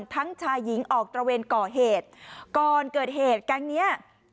ทั้งชายหญิงออกตระเวนก่อเหตุก่อนเกิดเหตุแก๊งเนี้ย